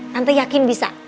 tante yakin bisa